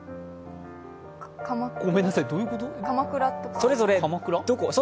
ごめんなさい、どういうこと？